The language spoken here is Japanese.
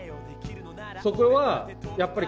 そこはやっぱり。